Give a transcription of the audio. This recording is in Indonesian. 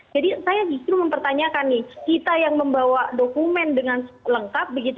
jadi saya justru mempertanyakan nih kita yang membawa dokumen dengan lengkap